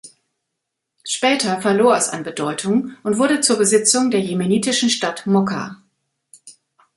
Später verlor es an Bedeutung und wurde zur Besitzung der jemenitischen Stadt Mokka.